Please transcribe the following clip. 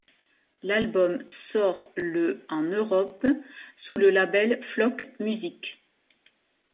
L'album sort le en Europe sous le label Flock Music.